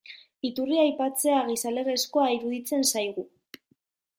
Iturria aipatzea, gizalegezkoa iruditzen zaigu.